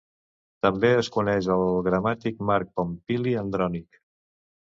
També es coneix al gramàtic Marc Pompili Andrònic.